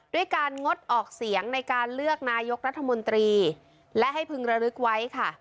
ด้วยการงดออกเสียงในการเลือกนายกรัฐมนตรีและให้พึงระลึกไว้ค่ะ